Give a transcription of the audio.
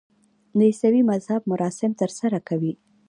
د عیسوي مذهب مراسم ترسره کوي.